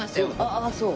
ああそう。